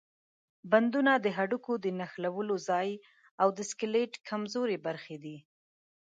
بندونه د هډوکو د نښلولو ځای او د سکلیټ کمزورې برخې دي.